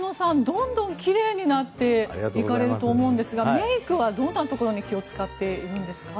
どんどんきれいになっていかれると思うんですがメイクはどんなところに気を使っているんですか？